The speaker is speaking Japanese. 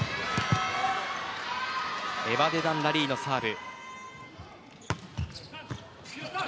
エバデダン・ラリーのサーブ。